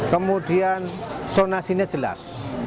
kemudian sonasinya jelas